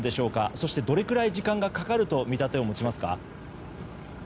そしてどれくらい時間がかかると見立てを持ちますか。